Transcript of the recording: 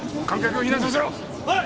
はい！